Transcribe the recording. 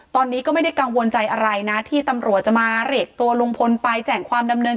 ตอนนี้ก็ไม่ได้กังวลใจอะไรนะที่ตำรวจจะมาเรียกตัวลุงพลไปแจ่งความดำเนิน